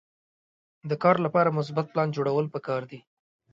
د کار لپاره مثبت پلان جوړول پکار دي.